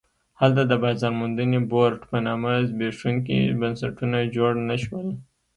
هلته د بازار موندنې بورډ په نامه زبېښونکي بنسټونه جوړ نه شول.